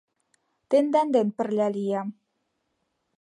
Тендан ден пырля лиям.